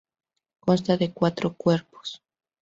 Consta de cuatro cuerpos.